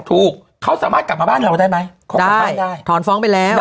ถูกเขาสามารถกลับมาบ้านเราได้ไหมเขากลับบ้านได้ถอนฟ้องไปแล้ว